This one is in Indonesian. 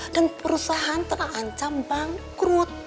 dan perusahaan terlalu ancam bangkrut